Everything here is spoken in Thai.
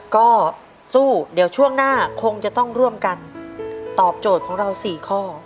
ก็สู้เดี๋ยวช่วงหน้าคงจะต้องร่วมกันตอบโจทย์ของเรา๔ข้อ